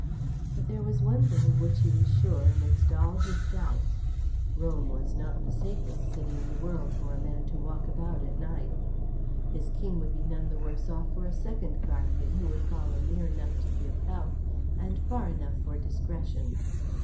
But there was one thing of which he was sure amidst all his doubts, Rome was not the safest city in the world for a man to walk about at nights. His King would be none the worse off for a second guardian who would follow near enough to give help and far enough for discretion.